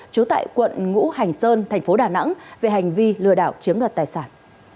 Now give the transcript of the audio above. trú tại quận ngũ hành sơn thành phố đà nẵng về hành vi lừa đảo chiếm đoạt tài sản